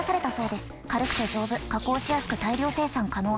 軽くて丈夫加工しやすく大量生産可能。